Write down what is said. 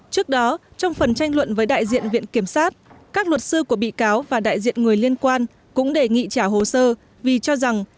trước đó trong phần tranh luận với đại diện viện kiểm sát các luật sư của bị cáo và đại diện người liên quan cũng đề nghị trả hồ sơ vì cho rằng